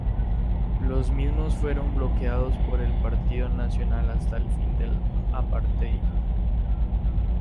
Los mismos fueron bloqueados por el Partido Nacional hasta el fin del apartheid.